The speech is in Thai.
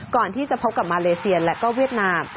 ก่อนที่จะพบกับมาเลเซียและก็เวียดนาม